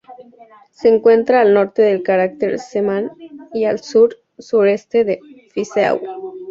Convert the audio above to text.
Se encuentra al norte del cráter Zeeman y al sur-sureste de Fizeau.